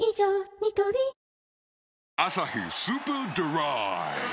ニトリ「アサヒスーパードライ」